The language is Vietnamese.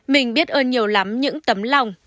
mình biết ơn nhiều lắm những tấm lòng